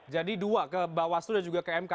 jadi dua ke bawastu dan juga ke mk